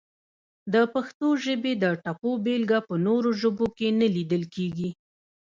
د پښتو ژبې د ټپو بېلګه په نورو ژبو کې نه لیدل کیږي!